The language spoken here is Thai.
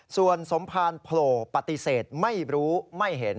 ส่วนสมภารโผล่ปฏิเสธไม่รู้ไม่เห็น